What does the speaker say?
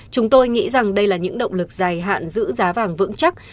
chúng tôi nghĩ rằng đây là những động lực dài hạn giữ giá vàng vững chắc